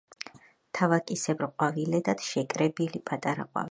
თავაკისებრ ყვავილედად შეკრებილი პატარა ყვავილები.